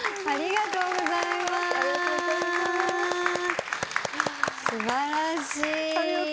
ありがとうございます。